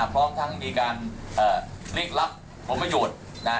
พร้อมทั้งมีการเรียกรับผลประโยชน์